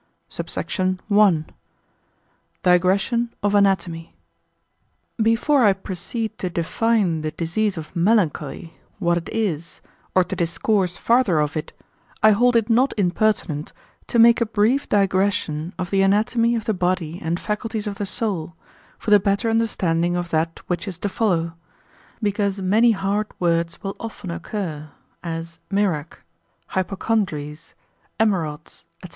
SUBSECT. I.—Digression of Anatomy. Before I proceed to define the disease of melancholy, what it is, or to discourse farther of it, I hold it not impertinent to make a brief digression of the anatomy of the body and faculties of the soul, for the better understanding of that which is to follow; because many hard words will often occur, as mirach, hypocondries, emerods, &c.